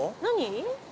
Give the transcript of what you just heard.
何？